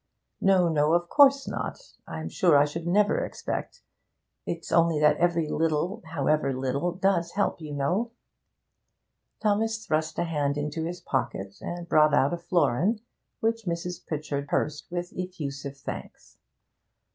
'No, no; of course not. I'm sure I should never expect it's only that every little however little does help, you know.' Thomas thrust a hand into his pocket and brought out a florin, which Mrs. Pritchard pursed with effusive thanks.